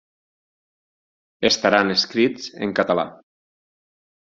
Estaran escrits en català.